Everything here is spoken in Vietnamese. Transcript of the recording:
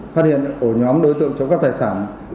phát hiện ổ nhóm đối tượng trộm cắp tài sản